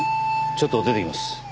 ちょっと出てきます。